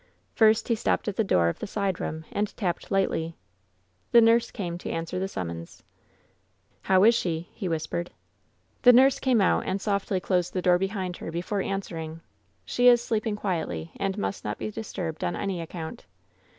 First he stopped at the door of the side room and tapped lightly. The nurse came to answer the summons. ^^How is she?" he whispered. The nurse came out and softly closed the door behind her before answering: "She is sleeping quietly, and must not be disturbed on anv account.''